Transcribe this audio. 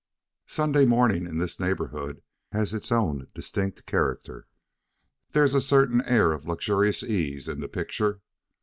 Sunday morning in this neighbourhood has its own distinct character. There is a certain air of luxurious ease in the picture.